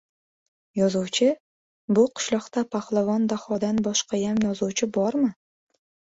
— Yozuvchi? Bu qishloqda Pahlavon Dahodan boshqayam yozuvchi bormi?